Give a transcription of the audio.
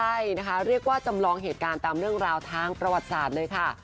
ใช่นะคะเรียกว่าจำลองเหตุการณ์ตามเรื่องราวทางประวัติศาสตร์เลยค่ะ